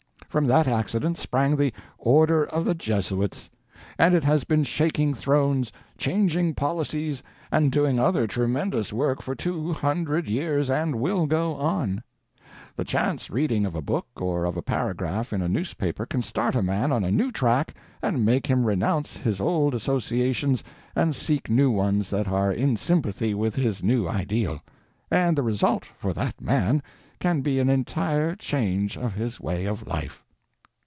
From that accident sprang the Order of the Jesuits, and it has been shaking thrones, changing policies, and doing other tremendous work for two hundred years—and will go on. The chance reading of a book or of a paragraph in a newspaper can start a man on a new track and make him renounce his old associations and seek new ones that are in sympathy with his new ideal: and the result, for that man, can be an entire change of his way of life.